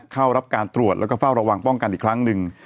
เข้ารับการตรวจแล้วก็เฝ้าระวังป้องกันอีกครั้งหนึ่ง